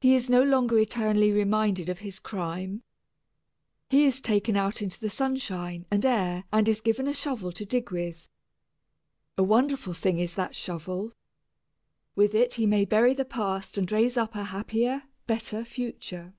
He is no longer eternally reminded of his crime. He is taken out into the sunshine and air and is given a shovel to dig with. A wonderful thing is that shovel. With it he may bury the past and raise up a happier, better future.